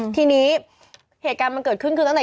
ทีนี้เหตุการณ์มันเกิดขึ้นคือตั้งแต่